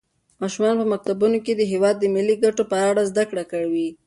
ماشومان په مکتبونو کې د هېواد د ملي ګټو په اړه زده کړه کوي.